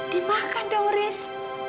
dimakan dong riz